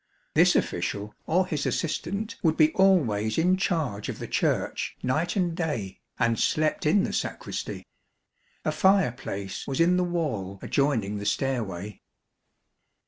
This official or his assistant would be always in charge of the Church night and day, and slept in the sacristy. A fire place was in the wall adjoining the stairway.